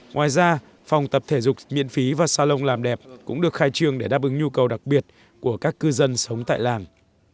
ngoài ra phòng tập thể dục miễn phí và salon làm đẹp cũng được khai trương để đáp ứng nhu cầu đặc biệt của các cư dân sống tại làng